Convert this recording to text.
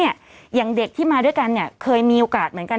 อย่างเด็กที่มาด้วยกันเนี่ยเคยมีโอกาสเหมือนกัน